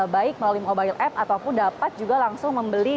baik melalui mobile app ataupun dapat juga langsung membeli